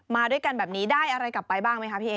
มาด้วยกันแบบนี้ได้อะไรกลับไปบ้างไหมคะพี่เอ